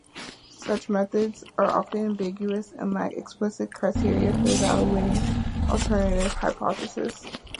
Such methods are often ambiguous and lack explicit criteria for evaluating alternative hypotheses.